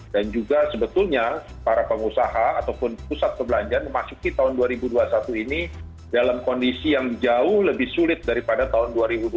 dan juga sebetulnya para pengusaha ataupun pusat perbelanjaan memasuki tahun dua ribu dua puluh satu ini dalam kondisi yang jauh lebih sulit daripada tahun dua ribu dua puluh